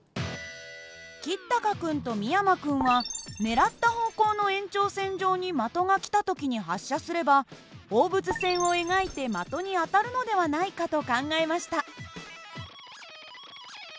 橘高君と美山君は狙った方向の延長線上に的が来た時に発射すれば放物線を描いて的に当たるのではないかと考えました。